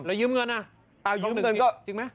แล้วยืมเงินอ่ะรองหนึ่งจริงไหม